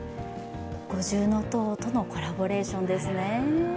五重塔とのコラボレーションですね。